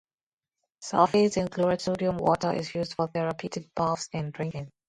Sulphate and chloride sodium water is used for therapeutic baths and drinking.